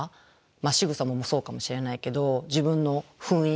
しぐさもそうかもしれないけど自分の雰囲気